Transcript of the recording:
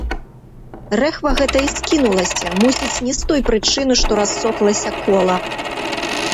Рэхва гэта і скінулася, мусіць, не з той прычыны, што рассохлася кола.